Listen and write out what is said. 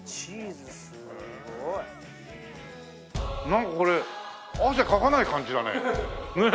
なんかこれ汗かかない感じだね。